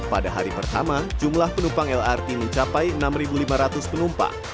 pada hari pertama jumlah penumpang lrt mencapai enam lima ratus penumpang